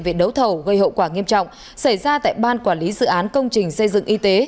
về đấu thầu gây hậu quả nghiêm trọng xảy ra tại ban quản lý dự án công trình xây dựng y tế